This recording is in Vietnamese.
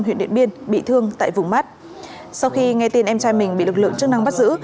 huyện điện biên bị thương tại vùng mắt sau khi nghe tin em trai mình bị lực lượng chức năng bắt giữ